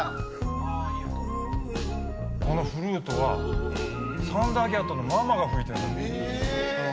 このフルートはサンダーキャットのママが吹いてんだって。